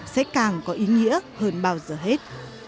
sẽ càng có ý nghĩa hơn bao giờ hết